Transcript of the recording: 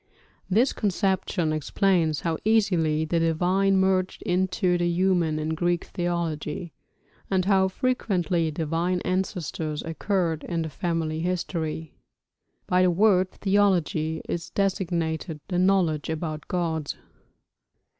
This conception explains how easily the divine merged into the human in Greek theology, and how frequently divine ancestors occurred in family histories. (By the word 'theology' is designated the knowledge about gods.)